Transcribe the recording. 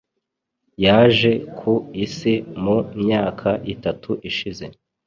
Yaje ku Isi mu myaka itatu ishize